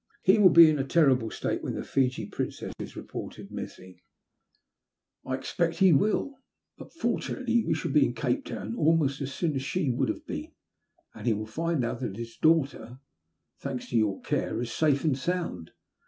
He will be in a terrible state when the Fiji Princess is reported missing." ''I expect he will; but, fortunately, we shall be in Cape Town almost as soon as she would have been, and he will find that his daugliter, thanks to your care, is safe and sound.